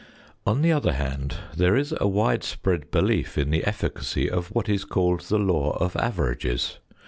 On the other hand, there is a widespread belief in the efficacy of what is called the law of averages.